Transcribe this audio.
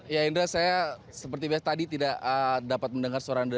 ya indra saya seperti biasa tadi tidak dapat mendengar suara anda